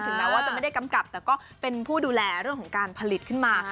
แม้ว่าจะไม่ได้กำกับแต่ก็เป็นผู้ดูแลเรื่องของการผลิตขึ้นมา